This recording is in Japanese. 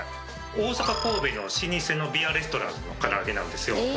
大阪神戸の老舗のビアレストランの唐揚なんですよ。